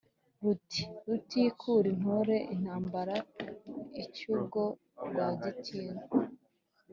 Ruti rutikura intore intambara icy’ubwo Rwagitinywa,